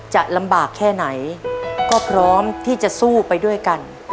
จะลำบากแค่ไหนก็พร้อมที่จะสู้ไปด้วยกัน